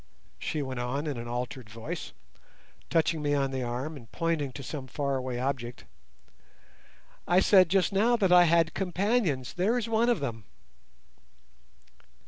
she went on in an altered voice, touching me on the arm and pointing to some far away object, "I said just now that I had companions; there is one of them."